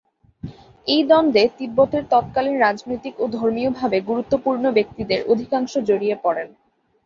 এই দ্বন্দ্বে তিব্বতের তৎকালীন রাজনৈতিক ও ধর্মীয় ভাবে গুরুত্বপূর্ণ ব্যক্তিদের অধিকাংশ জড়িয়ে পড়েন।